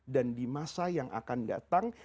dan di masa yang akan datang